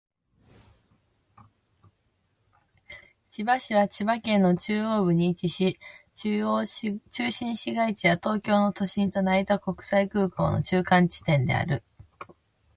千葉市は千葉県の中央部に位置し、中心市街地は東京都の都心と成田国際空港の中間地点である。